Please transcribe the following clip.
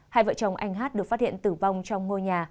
hai vợ chồng anh hát được phát hiện tử vong trong ngôi nhà